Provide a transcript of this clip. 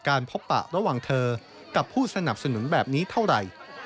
พบปะระหว่างเธอกับผู้สนับสนุนแบบนี้เท่าไหร่